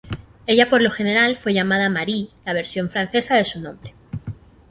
Ella por lo general fue llamada "Marie", la versión francesa de su nombre.